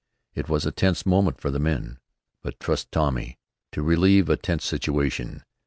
It was a tense moment for the men, but trust Tommy to relieve a tense situation.